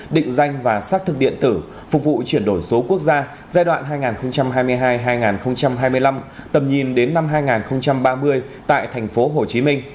định danh và xác thực điện tử phục vụ chuyển đổi số quốc gia giai đoạn hai nghìn hai mươi hai hai nghìn hai mươi năm tầm nhìn đến năm hai nghìn ba mươi tại tp hcm